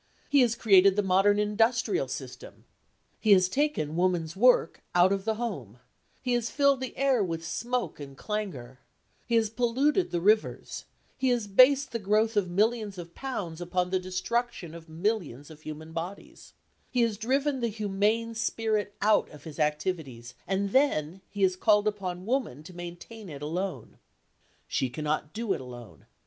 He has created the modern industrial system; he has taken women's work out of the home; he has filled the air with smoke and clangour; he has polluted the rivers; he has based the growth of millions of pounds upon the destruction of millions of human bodies; he has driven the humane spirit out of his activities, and then he has called upon woman to maintain it alone. She cannot do it alone.